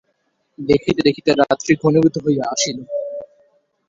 দেখিতে দেখিতে রাত্রি ঘনীভূত হইয়া আসিল।